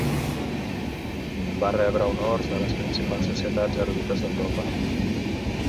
Va rebre honors de les principals societats erudites d'Europa.